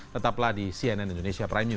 tetaplah di cnn indonesia prime news